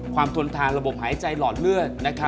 ทนทานระบบหายใจหลอดเลือด